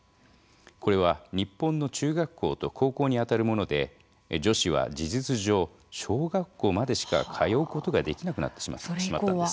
これは日本の中学校と高校にあたるもので女子は事実上小学校までしか通うことができなくなってしまったんです。